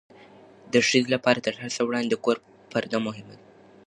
د ښځې لپاره تر هر څه وړاندې د کور پرده مهمه ده.